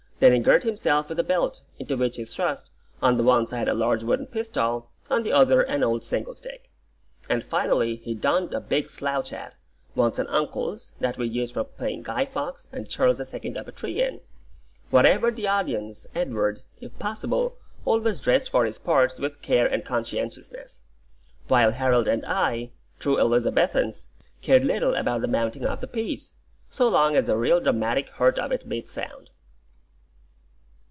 Then he girt himself with a belt, into which he thrust, on the one side a large wooden pistol, on the other an old single stick; and finally he donned a big slouch hat once an uncle's that we used for playing Guy Fawkes and Charles the Second up a tree in. Whatever the audience, Edward, if possible, always dressed for his parts with care and conscientiousness; while Harold and I, true Elizabethans, cared little about the mounting of the piece, so long as the real dramatic heart of it beat sound.